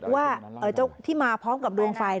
ว่าเจ้าที่มาพร้อมกับดวงไฟ